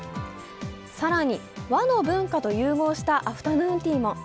更に和の文化と融合したアフタヌーンティーも。